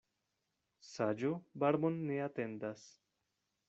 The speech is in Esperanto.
Saĝo barbon ne atendas.